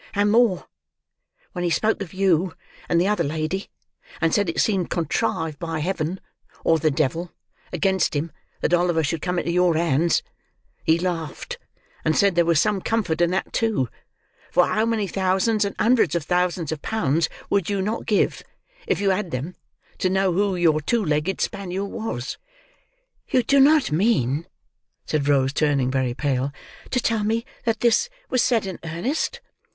"And more. When he spoke of you and the other lady, and said it seemed contrived by Heaven, or the devil, against him, that Oliver should come into your hands, he laughed, and said there was some comfort in that too, for how many thousands and hundreds of thousands of pounds would you not give, if you had them, to know who your two legged spaniel was." "You do not mean," said Rose, turning very pale, "to tell me that this was said in earnest?"